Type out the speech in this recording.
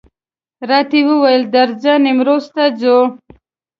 راته وویل درځه نیمروز ته ځو.